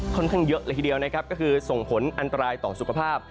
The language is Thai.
ค่อนข้างเยอะเลยทีเดียวนะครับก็คือส่งผลอันตรายต่อสุขภาพ